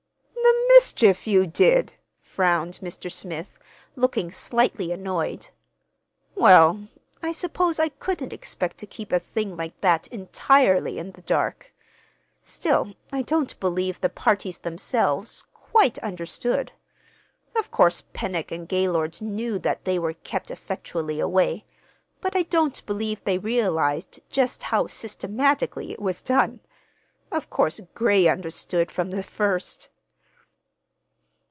"The mischief you did!" frowned Mr. Smith, looking slightly annoyed. "Well, I suppose I couldn't expect to keep a thing like that entirely in the dark. Still, I don't believe the parties themselves—quite understood. Of course, Pennock and Gaylord knew that they were kept effectually away, but I don't believe they realized just how systematically it was done. Of course, Gray understood from the first."